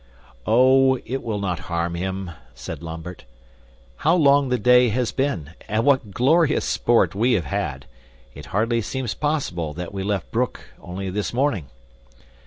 "Oh, it will not harm him," said Lambert. "How long the day has been and what glorious sport we have had! It hardly seems possible that we left Broek only this morning."